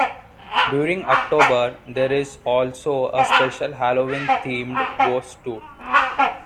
During October, there is also a special Halloween themed ghost tour.